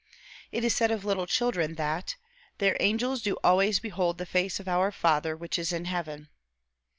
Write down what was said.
It is said of little children, that "their angels do always behold the face of our Father which is in heaven."